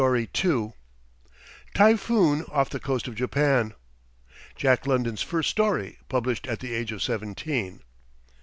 " TYPHOON OFF THE COAST OF JAPAN Jack London's First Story, Published at the Age of Seventeen.